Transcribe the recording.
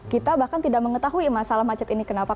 kita bahkan tidak mengetahui masalah macet ini kenapa